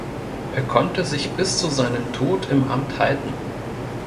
Er konnte sich bis zu seinem Tod im Amt halten.